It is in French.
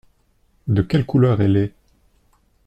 De quelle couleur elle est ?